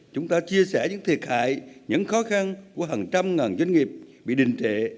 chúng ta chia sẻ những thiệt hại những khó khăn của hàng trăm ngàn doanh nghiệp bị đình trệ